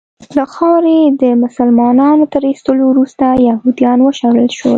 له خاورې د مسلنانو تر ایستلو وروسته یهودیان وشړل شول.